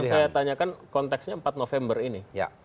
saya tanyakan konteksnya empat november ini